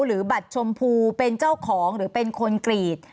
หรือบัตรชมพูเป็นเจ้าของหรือเป็นคนกรีด